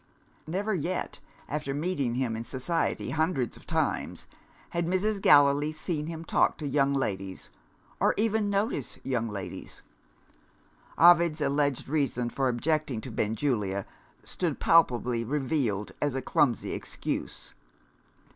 Never yet, after meeting him in society hundreds of times, had Mrs. Gallilee seen him talk to young ladies or even notice young ladies. Ovid's alleged reason for objecting to Benjulia stood palpably revealed as a clumsy excuse.